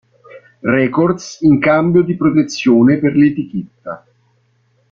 Records in cambio di "protezione" per l'etichetta.